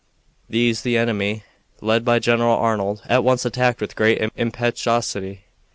These the enemy, led by General Arnold, at once attacked with great impetuosity.